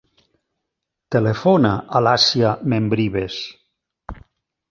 Telefona a l'Àsia Membrives.